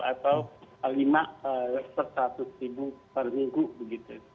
atau lima per seratus ribu per minggu begitu